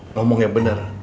ngomong yang bener